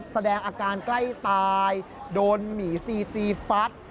แสดงอาการใกล้ตายโดนหมีซีตีฟัด